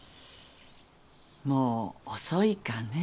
もう遅いかね。